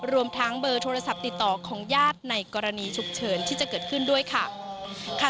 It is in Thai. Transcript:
รวมทั้งเบอร์โทรศัพท์ติดต่อของญาติในกรณีฉุกเฉินที่จะเกิดขึ้นด้วยค่ะ